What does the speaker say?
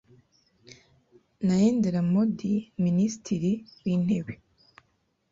Naendera Modi minisitiri w’intebe